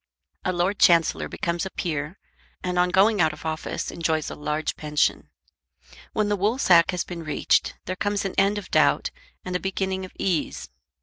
A Lord Chancellor becomes a peer, and on going out of office enjoys a large pension. When the woolsack has been reached there comes an end of doubt, and a beginning of ease.